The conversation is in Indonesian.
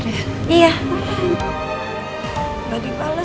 maksudnya orang lewat